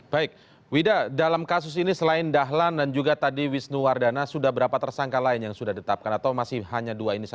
baik wida dalam kasus ini selain dahlan dan juga tadi wisnu wardana sudah berapa tersangka lain yang sudah ditetapkan atau masih hanya dua ini saja